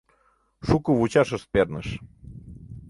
Шуко вучашышт перныш.